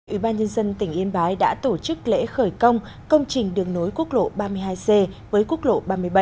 ủy ban nhân dân tỉnh yên bái đã tổ chức lễ khởi công công trình đường nối quốc lộ ba mươi hai c với quốc lộ ba mươi bảy